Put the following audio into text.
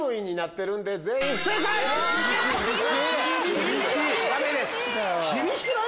厳しい！